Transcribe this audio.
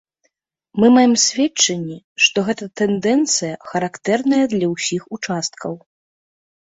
Мы маем сведчанне, што гэта тэндэнцыя, характэрная для ўсіх участкаў.